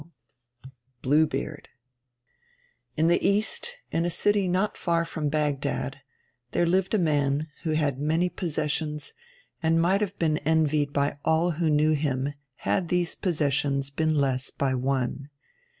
_ BLUE BEARD In the East, in a city not far from Baghdad, there lived a man who had many possessions and might have been envied by all who knew him had these possessions been less by one.